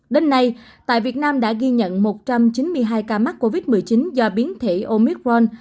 đến nay tại việt nam đã ghi nhận một trăm chín mươi hai ca mắc covid một mươi chín do biến thể omicron